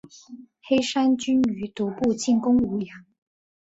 黑山军于毒部进攻武阳。